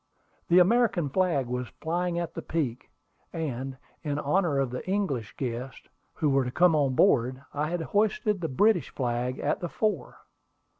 The American flag was flying at the peak, and, in honor of the English guests who were to come on board, I had hoisted the British flag at the fore.